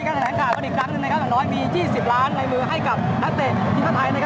ใช้จริงครับครับเดี๋ยวมีแสดงรอย